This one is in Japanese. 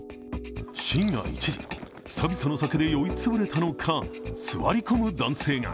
深夜１時、久々の酒で酔い潰れたのか座り込む男性が。